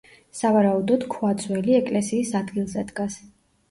სავარაუდოდ ქვა ძველი ეკლესიის ადგილზე დგას.